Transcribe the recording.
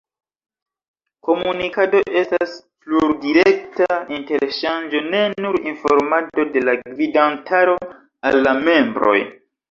Komunikado estas plurdirekta interŝanĝo ne nur informado de la gvidantaro al la membroj.